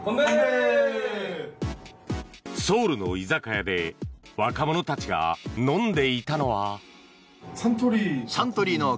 ソウルの居酒屋で若者たちが飲んでいたのは。